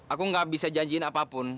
aku gak bisa janjiin apapun